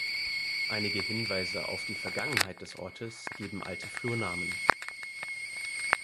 Einige Hinweise auf die Vergangenheit des Ortes geben alte Flurnamen.